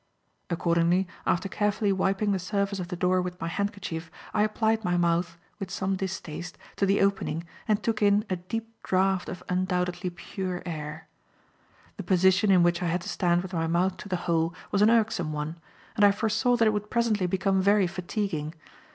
Accordingly, after carefully wiping the surface of the door with my handkerchief, I applied my mouth, with some distaste, to the opening and took in a deep draught of undoubtedly pure air. The position in which I had to stand with my mouth to the hole was an irksome one, and I foresaw that it would presently become very fatiguing.